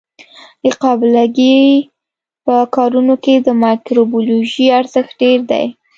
د قابله ګۍ په کارونو کې د مایکروبیولوژي ارزښت ډېر دی.